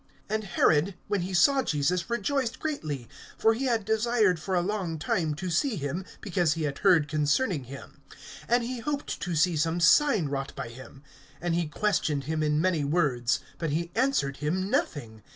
(8)And Herod, when he saw Jesus, rejoiced greatly; for he had desired for a long time to see him, because he had heard concerning him; and he hoped to see some sign wrought by him. (9)And he questioned him in many words; but he answered him nothing.